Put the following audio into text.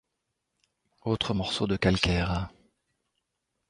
Autre morceau de calcaire.